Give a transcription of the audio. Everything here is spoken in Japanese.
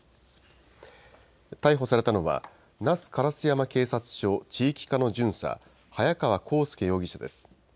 逮捕されたのは、那須烏山警察署地域課の巡査、早川幸佑容疑者です。